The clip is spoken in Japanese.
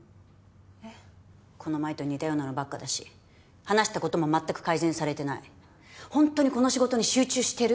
えっこの前と似たようなのばっかだし話したこともまったく改善されてないホントにこの仕事に集中してる？